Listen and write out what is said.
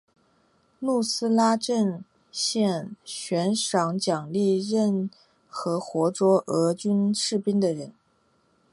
努斯拉阵线悬赏奖励任何活捉俄军士兵的人。